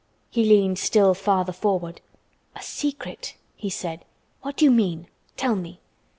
He leaned still farther forward. "A secret," he said. "What do you mean? Tell me."